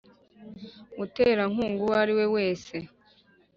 Muterankunga uwo ari we wese